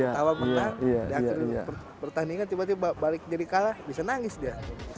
tawa pernah di akhir pertandingan tiba tiba balik jadi kalah bisa nangis dia